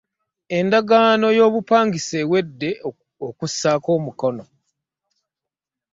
Endagaano y'obupangisa ewedde okussaako emikono.